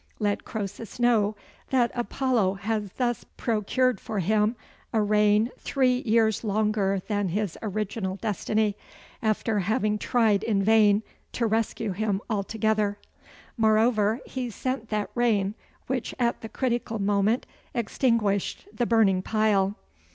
Let Croesus know that Apollo has thus procured for him a reign three years longer than his original destiny, after having tried in vain to rescue him altogether. Moreover he sent that rain which at the critical moment extinguished the burning pile.